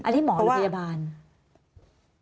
เดี๋ยวก็ดีขึ้นเพราะว่าอันที่หมอหรือพยาบาล